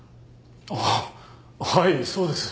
ああはいそうです。